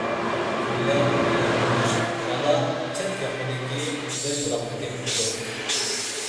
كۈنلەر، ئايلار ئۆتۈپ بالا چەت - ياقىدىكى بىر بۇلاقنى تېپىپتۇ.